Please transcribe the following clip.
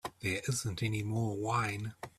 There isn't any more wine.